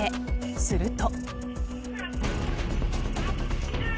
すると。